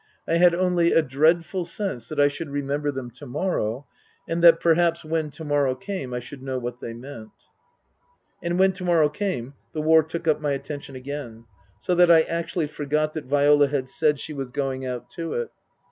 I had only a dreadful sense that I should re member them to morrow, and that perhaps when to morrow came I should know what they meant. And when to morrow came the war took up my atten tion again, so that I actually forgot that Viola had said she was going out to it.